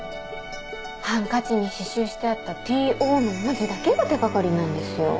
ハンカチに刺繍してあったＴ・Ｏの文字だけが手掛かりなんですよ。